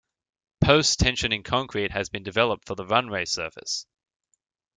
Post-tensioning concrete has been developed for the runway surface.